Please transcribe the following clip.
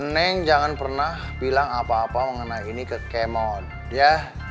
neng jangan pernah bilang apa apa mengenai ini ke kemon ya